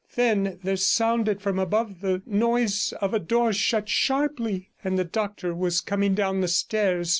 Then there sounded from above the noise of a door shut sharply, and the doctor was coming down the stairs.